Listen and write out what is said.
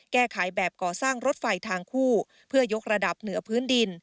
แก้ไขแบบก่อสร้างรถไฟทางคู่เพื่อยกระดับเหนือพื้นดิน